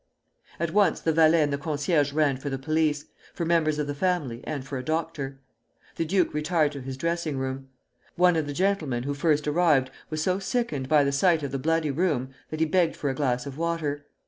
] At once the valet and the concierge ran for the police, for members of the family, and for a doctor. The duke retired to his dressing room. One of the gentlemen who first arrived was so sickened by the sight of the bloody room that he begged for a glass of water.